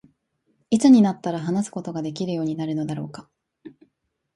何時になったら話すことができるようになるのだろうか。